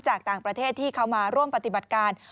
จากต่างประเทศที่เขามาร่วมปฏิบัติการ